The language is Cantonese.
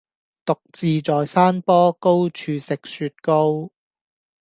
獨自在山坡,高處食雪糕.